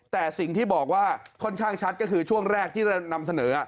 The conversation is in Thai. แต่สิ่งที่บอกว่าค่อนข้างชัดก็คือช่วงแรกที่เรานำเสนอ